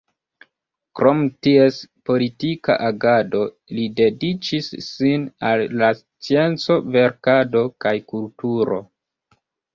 Krom ties politika agado, li dediĉis sin al la scienco, verkado kaj kulturo.